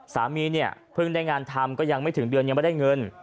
สามีเนี่ยเพิ่งได้งานทำก็ยังไม่ถึงเดือนยังไม่ได้เงิน